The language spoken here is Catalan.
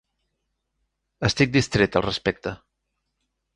Estic distret al respecte.